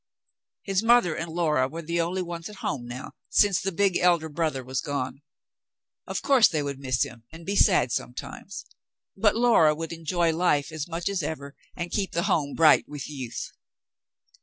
His mother and Laura were the only ones at home now, since the big elder brother was gone. Of course they would miss him and be sad sometimes, but Laura would enjoy life as much as ever and keep the home bright with youth.